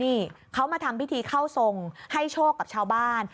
นี่เขามาทำพิธีเข้าทรงให้โชคกับชาวบ้าน